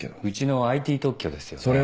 うちのＩＴ特許ですよね。